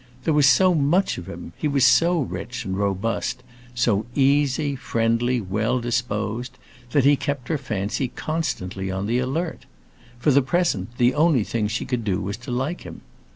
There was so much of him; he was so rich and robust, so easy, friendly, well disposed, that he kept her fancy constantly on the alert. For the present, the only thing she could do was to like him.